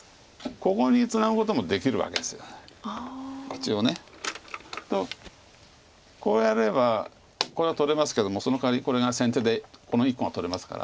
一応。とこうやればこれは取れますけどもそのかわりこれが先手でこの１個が取れますから。